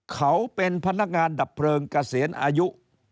เขาเป็นพนักงานดับเพลิงเกษียณอายุ